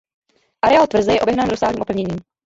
Areál tvrze je obehnán rozsáhlým opevněním.